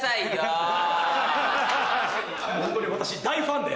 ホントに私大ファンで。